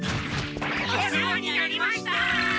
お世話になりました！